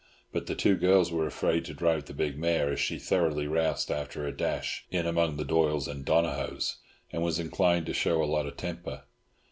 But the two girls were afraid to drive the big mare, as she was thoroughly roused after her dash in among the Doyles and Donohoes, and was inclined to show a lot of temper.